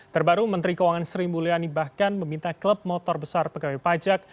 terbaru menteri keuangan sri mulyani bahkan meminta klub motor besar pegawai pajak